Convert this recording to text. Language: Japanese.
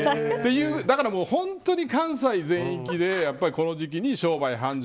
本当に関西全域でこの時期に商売繁盛。